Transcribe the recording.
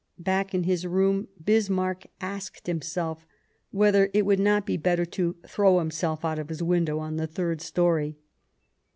Back in his room, Bismarck asked himself whether it would not be better to throw himself out of his window on the third story.